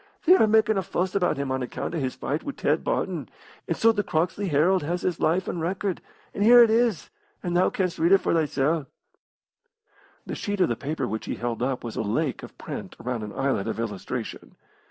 "They are makin' a fuss about him on account o' his fight wi' Ted Barton, and so the Croxley Herald has his life an' record, an' here it is, an' thou canst read it for thysel'" The sheet of the paper which he held up was a lake of print around an islet of illustration.